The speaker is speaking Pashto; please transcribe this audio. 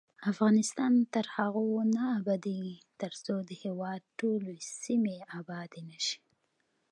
افغانستان تر هغو نه ابادیږي، ترڅو د هیواد ټولې سیمې آبادې نه شي.